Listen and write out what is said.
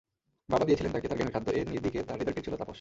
বাবা দিয়েছিলেন তাকে তার জ্ঞানের খাদ্য, এ দিকে তার হৃদয়টিও ছিল তাপস।